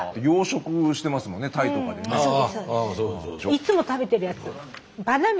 いっつも食べてるやつ。